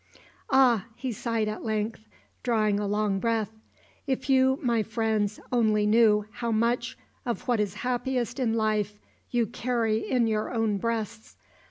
"Ah," he sighed at length, drawing a long breath; "if you, my friends, only knew how much of what is happiest in life you carry in your own breasts!